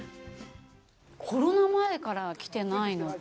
コロナ前から来てないので。